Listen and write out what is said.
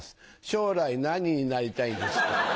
将来何になりたいですか？」。